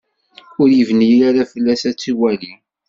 Ur ibni ara fell-as ad tt-iwali.